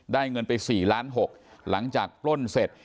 เงินไป๔ล้าน๖หลังจากปล้นเสร็จ